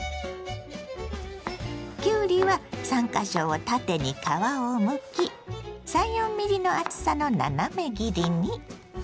きゅうりは３か所を縦に皮をむき３４ｍｍの厚さの斜め切りに。